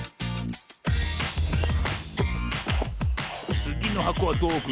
つぎのはこはどうおくんだ？